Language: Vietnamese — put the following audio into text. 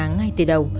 ngay từ đầu